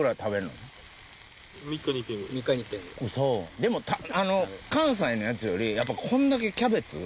でも関西のやつよりこんだけキャベツ。